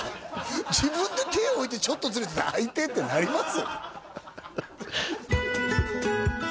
自分で手置いてちょっとずれて「あっイテッ」ってなります？